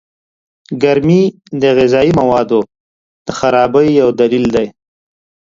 گرمي د غذايي موادو د خرابۍ يو دليل دئ.